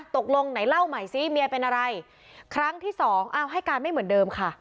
ตกลงไหนเล่าใหม่ซิเมียเป็นอะไรครั้งที่สองอ้าวให้การไม่เหมือนเดิมค่ะ